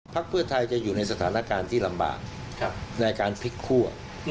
เพื่อไทยจะอยู่ในสถานการณ์ที่ลำบากในการพลิกคั่ว